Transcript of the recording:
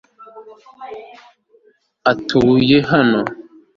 utuye hano